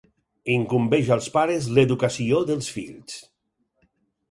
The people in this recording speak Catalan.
Incumbeix als pares l'educació dels fills.